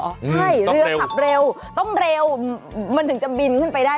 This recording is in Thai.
ใช่เรือขับเร็วต้องเร็วมันถึงจะบินขึ้นไปได้